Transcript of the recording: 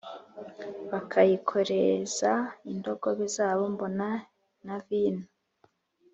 Bakayikoreza indogobe zabo mbona na vino